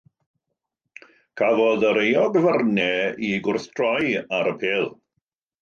Cafodd yr euogfarnau eu gwrthdroi ar apêl.